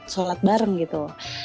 sholat bareng gitu